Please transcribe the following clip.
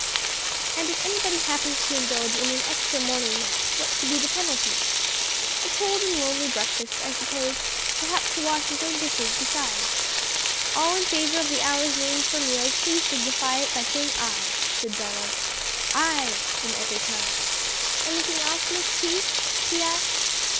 "And if anybody happens to indulge in an extra morning nap, what's to be the penalty?" "A cold and lonely breakfast, I suppose. Perhaps to wash his own dishes besides." "All in favor of the hours named for meals please signify it by saying aye," said Donald. "Aye!" from every tongue. "Anything else, Miss Keith?" he asked.